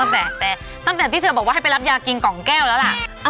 ตั้งแต่ตั้งแต่ที่เธอบอกว่าให้ไปรับยากินกล่องแก้วแล้วล่ะ